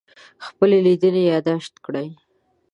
خپلې لیدنې یادداشت کړئ.